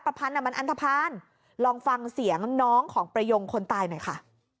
ประพันธ์มันอันทภาณลองฟังเสียงน้องของประโยงคนไต้หน่อยค่ะ